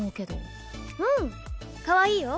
うんかわいいよ。